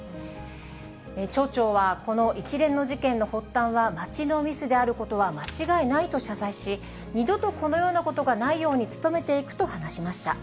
町長は、この一連の事件の発端は町のミスであることは間違いないと謝罪し、二度とこのようなことがないように努めていくと話しました。